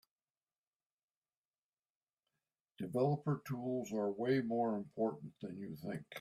Developer Tools are way more important than you think.